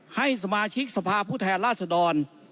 ให้สมาชิกสภาพุทธแหงราษฎร